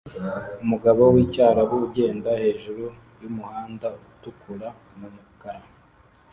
Umugabo wicyarabu ugenda hejuru yumuhanda utukura numukara